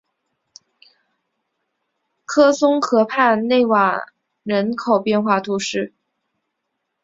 科松河畔瓦讷人口变化图示